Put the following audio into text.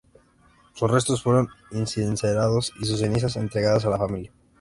Sus restos fueron incinerados, y sus cenizas entregadas a la familia.